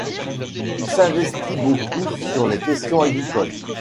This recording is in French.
Il s'investit beaucoup sur les questions agricoles.